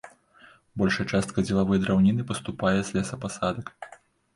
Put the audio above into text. Большая частка дзелавой драўніны паступае з лесапасадак.